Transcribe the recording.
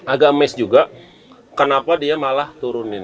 agak miss juga kenapa dia malah turunin